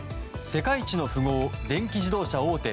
世界一の富豪電気自動車大手